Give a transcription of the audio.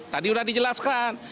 tadi sudah dijelaskan